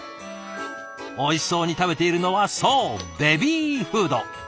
おいしそうに食べているのはそうベビーフード。